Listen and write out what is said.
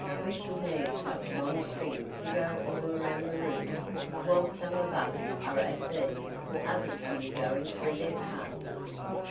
"We shall need such long strings to go all around the room. While some of us are at these, others can be going through their parts."